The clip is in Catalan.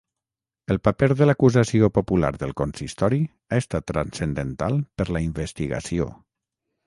El paper de l’acusació popular del consistori ha estat transcendental per la investigació.